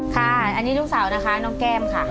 ค่ะอันนี้ลูกสาวนะคะน้องแก้มค่ะ